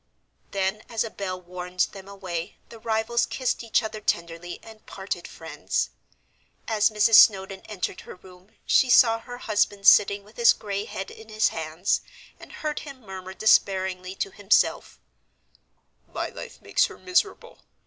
Then as a bell warned them away, the rivals kissed each other tenderly, and parted friends. As Mrs. Snowdon entered her room, she saw her husband sitting with his gray head in his hands, and heard him murmur despairingly to himself, "My life makes her miserable.